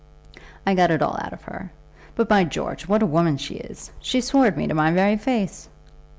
I got it all out of her. But, by George, what a woman she is! She swore at me to my very face."